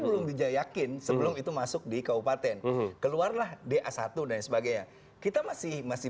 belum dijayakin sebelum itu masuk di kabupaten keluarlah da satu dan sebagainya kita masih masih